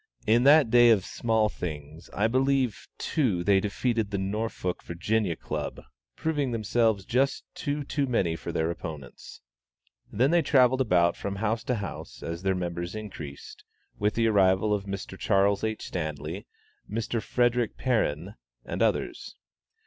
In that day of small things, I believe, too, they defeated the Norfolk (Va.) Club, proving themselves just two too many for their opponents. Then they travelled about from house to house, as their members increased, with the arrival of Mr. Charles H. Stanley, Mr. Frederick Perrin, and others.